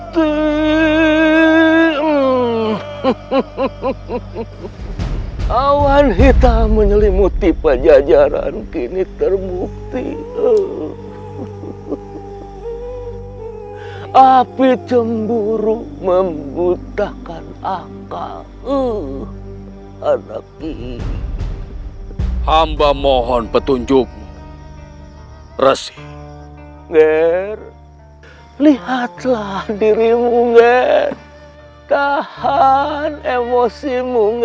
kian santam selalu saja mau menjadi pahlawan siang